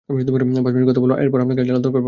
পাঁচ মিনিট কথা বলব, এরপর আপনাকে আর জ্বালাতন করব না!